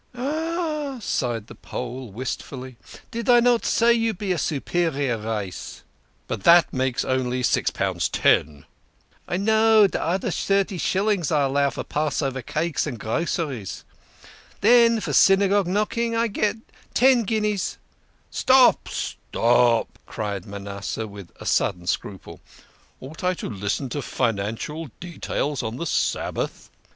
" Ah !" sighed the Pole wistfully. " Did I not say yoir be a superior race? " THE KING OF SCHNORRERS. 67 " But that only makes six pound ten !"" I know de oder tirty shillings I allow for Passover cakes and groceries. Den for Synagogue knocking I get ten guin "" Stop ! stop !" cried Manasseh, with a sudden scruple. " Ought I to listen to financial details on the Sabbath